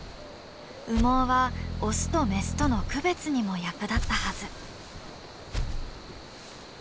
羽毛はオスとメスとの区別にも役立ったはず。